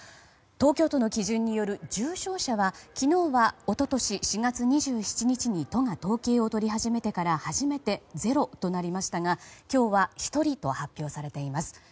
東京都の基準による重症者は昨日は一昨年４月２７日に都が統計を取り始めてから初めて０となりましたが今日は１人と発表されています。